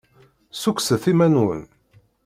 Ssukkset iman-nwen.